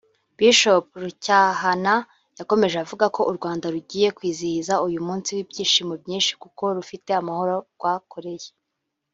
Bishop Rucyahana yakomeje avuga u Rwanda rugiye kwizihiza uyu munsi n’ibyishimo byinshi kuko rufite amahoro rwakoreye